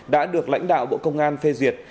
đã được lãnh đạo bộ công an phê duyệt